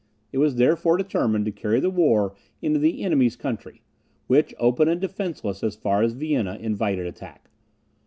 It was therefore determined to carry the war into the enemy's country, which, open and defenceless as far as Vienna, invited attack.